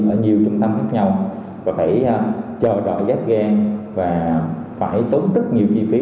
ở nhiều trung tâm khác nhau và phải chờ đợi ghép gan và phải tốn rất nhiều chi phí